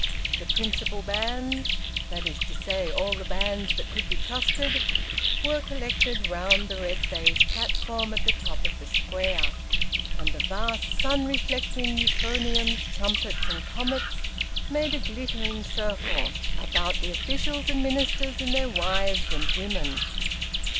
The principal bands that is to say, all the bands that could be trusted were collected round the red baize platform at the top of the Square, and the vast sun reflecting euphoniums, trumpets, and comets made a glittering circle about the officials and ministers and their wives and women.